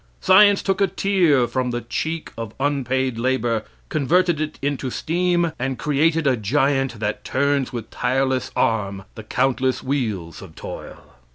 Science took a tear from the cheek of unpaid labor, converted it into steam, and created a giant that turns with tireless arm the countless wheels of toil.